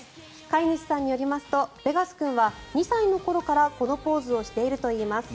飼い主さんによりますとベガス君は、２歳の頃からこのポーズをしているといいます。